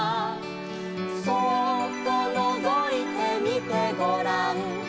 「そーっとのぞいてみてごらん」